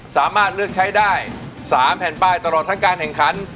สามารถเลือกใช้ได้๓แผ่นป้ายตลอดทั้งการแข่งขัน